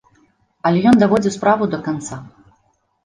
Але ён даводзіў справу да канца.